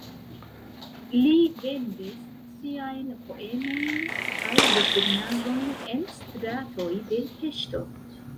Li vendis siajn poemojn kaj desegnaĵojn en stratoj de Peŝto.